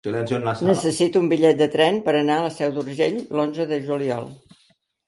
Necessito un bitllet de tren per anar a la Seu d'Urgell l'onze de juliol.